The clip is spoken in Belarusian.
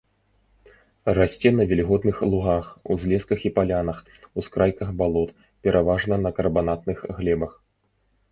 Расце на вільготных лугах, узлесках і палянах, ускрайках балот, пераважна на карбанатных глебах.